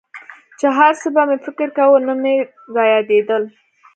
چې هرڅه به مې فکر کاوه نه مې رايادېدل.